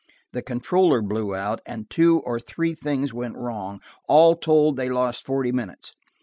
The controller blew out, and two or three things went wrong: all told they lost forty minutes.